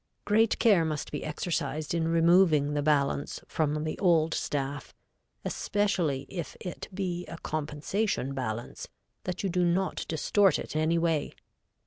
Great care must be exercised in removing the balance from the old staff, especially if it be a compensation balance, that you do not distort it any way.